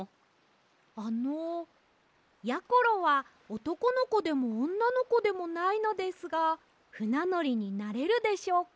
あのやころはおとこのこでもおんなのこでもないのですがふなのりになれるでしょうか？